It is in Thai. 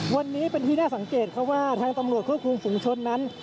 วันนี้เป็นที่น่าสังเกตครับว่าทางตำรวจควบคุมฝุงชนนั้น